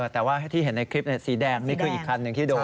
แต่ว่าที่เห็นในคลิปสีแดงนี่คืออีกคันหนึ่งที่โดน